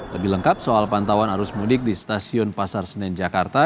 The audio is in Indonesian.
lebih lengkap soal pantauan arus mudik di stasiun pasar senen jakarta